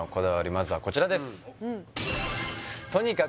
まずはこちらです